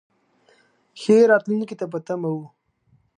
ښې راتلونکې ته په تمه و.